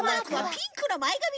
ピンクのまえがみ。